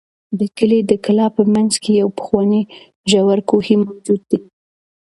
د کلي د کلا په منځ کې یو پخوانی ژور کوهی موجود دی.